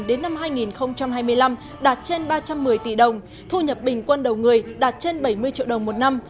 đến năm hai nghìn hai mươi năm đạt trên ba trăm một mươi tỷ đồng thu nhập bình quân đầu người đạt trên bảy mươi triệu đồng một năm